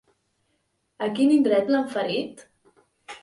A quin indret l'han ferit?